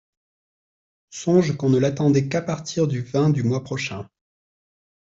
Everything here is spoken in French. Songe qu’on ne l’attendait qu’à partir du vingt du mois prochain !